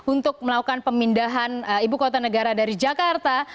untuk melakukan pemindahan ibu kota negara dari jakarta